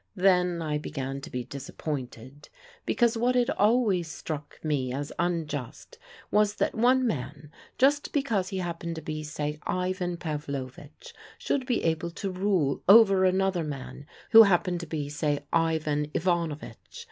Then I began to be disappointed because what had always struck me as unjust was that one man, just because he happened to be, say, Ivan Pavlovitch, should be able to rule over another man who happened to be, say, Ivan Ivanovitch.